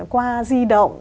qua di động